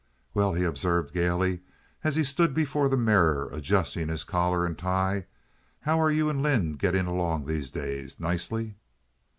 "Well," he observed, gaily, as he stood before the mirror adjusting his collar and tie, "how are you and Lynde getting along these days—nicely?"